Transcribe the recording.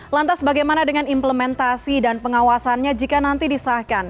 lantas bagaimana dengan implementasi dan pengawasannya jika nanti disahkan